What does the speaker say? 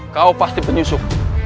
kau pasti penyusup